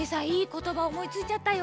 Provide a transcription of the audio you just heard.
ことばおもいついちゃったよ！